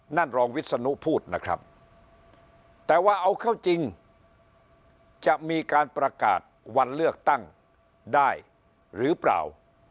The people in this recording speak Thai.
รองวิศนุพูดนะครับแต่ว่าเอาเข้าจริงจะมีการประกาศวันเลือกตั้งได้หรือเปล่า